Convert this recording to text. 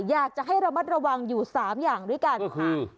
อยากจะให้ระมัดระวังอยู่สามอย่างด้วยกันคือ